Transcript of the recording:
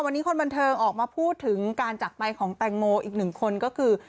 วันนี้คนบันเทิงออกมาพูดถึงการจักรไปของแตงโมอีกหนึ่งคนก็คือ